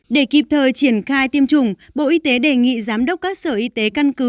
để kịp thời triển khai tiêm chủng bộ y tế đề nghị giám đốc các sở y tế căn cứ